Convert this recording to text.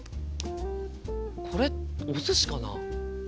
これお寿司かな？